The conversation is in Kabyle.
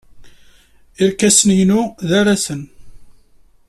Irkasen-inu d arasen.